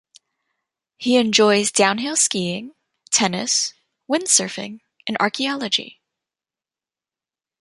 He enjoys downhill skiing, tennis, wind-surfing, and archeology.